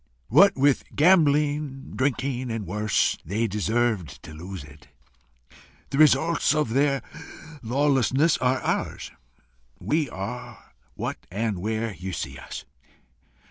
What with gambling, drinking, and worse, they deserved to lose it. The results of their lawlessness are ours: we are what and where you see us.